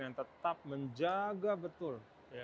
yang tetap menjaga betul